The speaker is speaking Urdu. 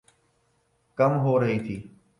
کم ہو رہی تھِی